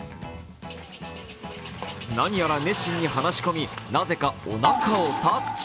何やら熱心に話し込み、なぜかおなかをタッチ。